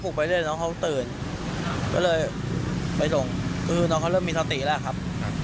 ไปเรื่อยน้องเขาตื่นก็เลยไปลงคือน้องเขาเริ่มมีสติแล้วครับ